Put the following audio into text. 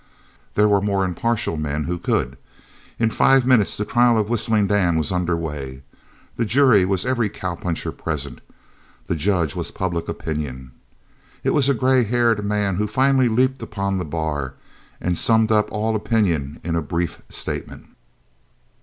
There were more impartial men who could. In five minutes the trial of Whistling Dan was under way. The jury was every cowpuncher present. The judge was public opinion. It was a grey haired man who finally leaped upon the bar and summed up all opinion in a brief statement.